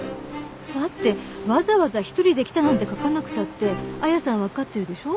だってわざわざ「一人で来た」なんて書かなくたって綾さんわかってるでしょ？